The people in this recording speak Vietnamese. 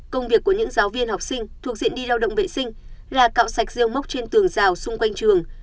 công việc của những giáo viên học sinh thuộc diện đi lao động vệ sinh là cạo sạch rêu mốc trên tường rào xung quanh trường